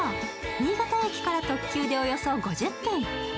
新潟駅から特急でおよそ５０分。